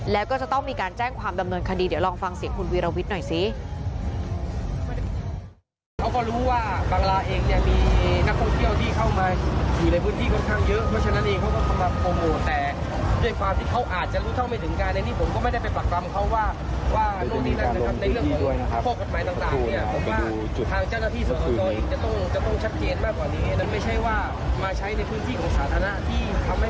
แล้วก็จะต้องมีการแจ้งความดำเนินคดีเดี๋ยวลองฟังเสียงคุณวีรวิทย์หน่อยสิ